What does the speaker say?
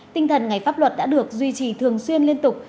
tinh thần ngày pháp luật đã được duy trì thường xuyên liên tục